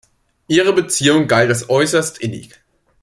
Ihre Beziehung galt als äußerst innig.